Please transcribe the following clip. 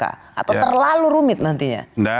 atau terlalu rumit nantinya